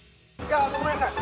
ごめんなさい